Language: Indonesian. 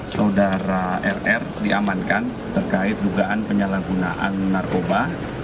saudara rr diamankan terkait dugaan penyalahgunaan narkoba